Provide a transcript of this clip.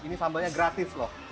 ini sambalnya gratis loh